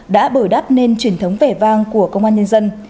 đã bởi đáp nên truyền thống vẻ vang của công an nhân dân